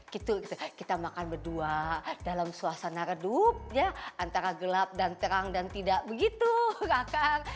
gitu kita makan berdua dalam suasana redup ya antara gelap dan terang dan tidak begitu kakak